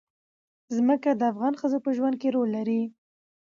ځمکه د افغان ښځو په ژوند کې رول لري.